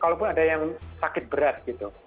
kalaupun ada yang sakit berat gitu